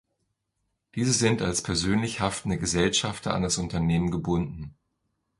Diese sind als persönlich haftende Gesellschafter an das Unternehmen gebunden.